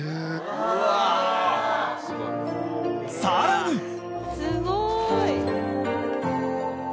［さらに］